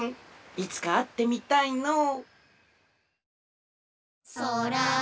いつかあってみたいのう。